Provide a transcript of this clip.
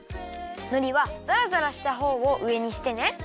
のりはザラザラしたほうをうえにしてね。